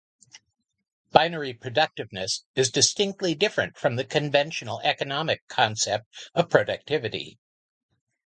Binary productiveness is distinctly different from the conventional economic concept of productivity.